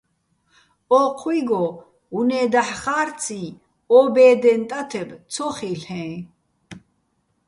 ო́ჴუჲგო, უ̂ნე́ დაჰ̦ ხა́რციჼ, ო ბე́დეჼ ტათებ ცო ხილ'ეჼ.